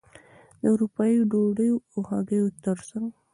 د اروپايي ډوډیو او هګیو ترڅنګ.